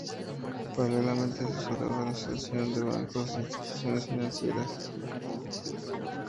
Paralelamente asesoraba a la Asociación de Bancos e Instituciones Financieras.